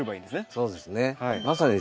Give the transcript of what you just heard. そうですね。